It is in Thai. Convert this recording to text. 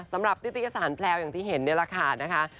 สำหรับวิทยาศาสตร์แพลวอย่างที่เห็นในราคานะคะ